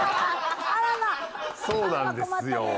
そうなんですよ。